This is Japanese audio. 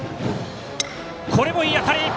これもいい当たり！